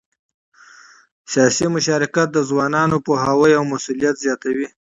سیاسي مشارکت د ځوانانو د پوهاوي او مسؤلیت زیاتوي